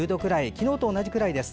昨日と同じくらいです。